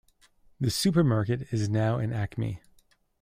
The supermarket is now an Acme.